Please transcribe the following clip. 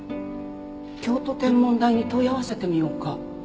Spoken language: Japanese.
京都天文台に問い合わせてみようか？